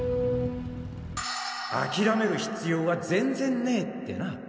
諦める必要は全然ねえっ